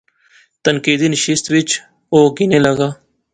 تنقیدی نشست وچ او گینے لاغا